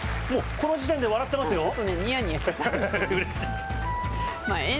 もう、この時点で笑ってますよ。